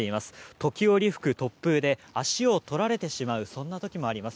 時折吹く突風で足を取られてしまう時もあります。